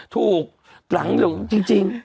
ถูกขรางสรุปจริง